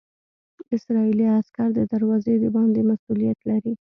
اسرائیلي عسکر د دروازې د باندې مسوولیت لري.